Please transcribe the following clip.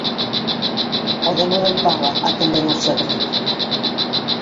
O Demo ben paga a quen ben o serve.